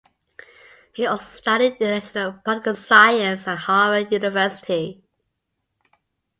He also studied international political science at Harvard University.